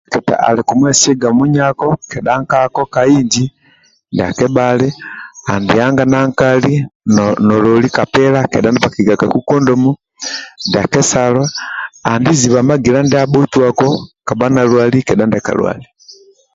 Ndia kateketa ali kumwesiga munyako kedha nkako ka inji ndia kebhali andi anga na nkali nololi kapila ndia bhakigiagaku kondomu ndia kesalo andi ziba .magila ndia bhotuako kabha nalwali kedha ndiakalwali